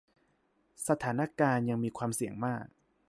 สถานการณ์ยังมีความเสี่ยงมาก